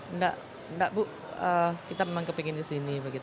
enggak bu kita memang kepingin ke sini